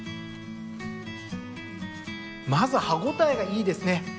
まず歯ごたえがいいですね。